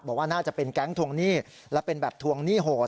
บอกว่าน่าจะเป็นแก๊งทวงหนี้และเป็นแบบทวงหนี้โหด